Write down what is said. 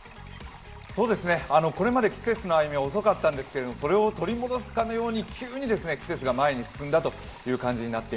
これまで季節の歩みは遅かったんですけどそれを取り戻すかのように急に季節が前に進んだという感じです。